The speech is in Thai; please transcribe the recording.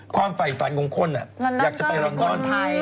ความไฟฟันงงข้นอ่ะอยากจะไปลอนดอน